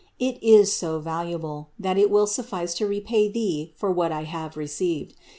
It is so valuable, that it will suffice to repay Thee for what I have received.